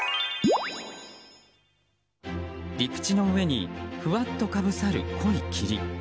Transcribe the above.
陸地の上にふわっとかぶさる濃い霧。